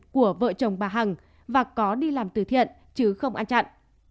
của vợ chồng bà hằng và có đi làm từ thiện chứ không ăn chặn